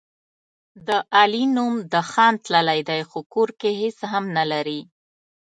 د علي نوم د خان تللی دی، خو کور کې هېڅ هم نه لري.